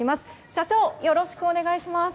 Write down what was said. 社長よろしくお願いいたします。